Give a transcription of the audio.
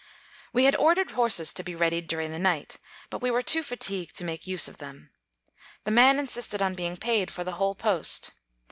We had ordered horses to be ready during the night, but we were too fa tigued to make use of them. The man insisted on being paid for the whole post.